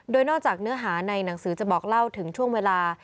โดยนอกจากเนื้อหาในหนังสือจะบอกเล่าถึงช่วงเวลา